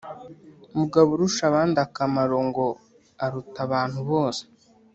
mugaburushabandakamaro ngo aruta abantu bose,